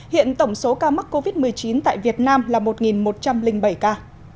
hiện tổng số ca mắc covid một mươi chín tại việt nam là một một trăm linh bảy ca